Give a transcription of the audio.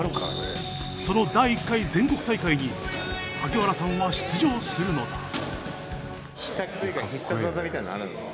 その第１回全国大会に萩原さんは出場するのだ。